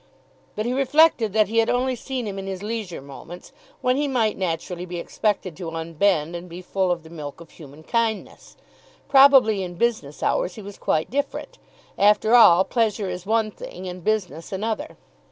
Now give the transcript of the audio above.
But he reflected that he had only seen him in his leisure moments, when he might naturally be expected to unbend and be full of the milk of human kindness. Probably in business hours he was quite different. After all, pleasure is one thing and business another.